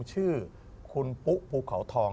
ชื่อคุณปุ๊ภูเขาทอง